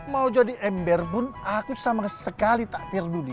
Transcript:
mau jadi ember pun aku sama sekali tak peduli